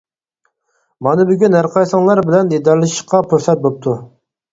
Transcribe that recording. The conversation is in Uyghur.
مانا بۈگۈن ھەرقايسىڭلار بىلەن دىدارلىشىشقا پۇرسەت بوپتۇ.